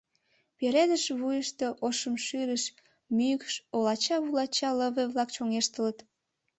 Пеледыш вуйышто ошымшӱлыш, мӱкш, олача-вулача лыве-влак чоҥештылыт.